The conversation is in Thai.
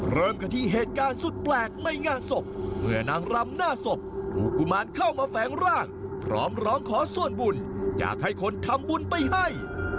เริ่มกันที่เหตุการณ์สุดแปลกในงานศพเมื่อนางรำหน้าศพถูกกุมารเข้ามาแฝงร่างพร้อมร้องขอส่วนบุญอยากให้คนทำบุญไปให้